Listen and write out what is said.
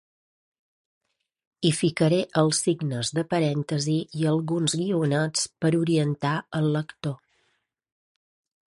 Hi ficaré els signes de parèntesi i alguns guionets per orientar el lector.